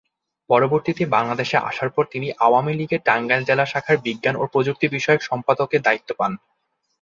পরবর্তীতে বাংলাদেশে আসার পর তিনি আওয়ামী লীগের টাঙ্গাইল জেলা শাখার বিজ্ঞান ও প্রযুক্তি বিষয়ক সম্পাদকের দায়িত্ব পান।